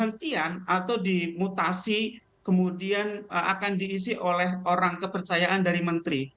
kehentian atau dimutasi kemudian akan diisi oleh orang kepercayaan dari menteri